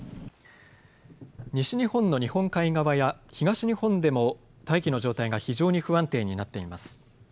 西日本の日本海側や東日本でも大気の状態が非常に不安定になっています。